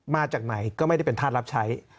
มาจากไหนก็ไม่ได้เป็นธาตุรับใช้